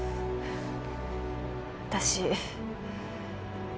私。